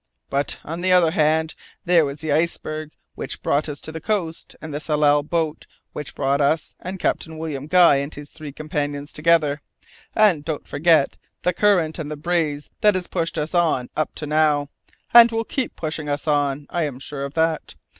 But, on the other hand, there was the iceberg which brought us to the coast, and the Tsalal boat which brought us and Captain William Guy and his three companions together. And don't forget the current and the breeze that have pushed us on up to now, and will keep pushing us on, I'm sure of that.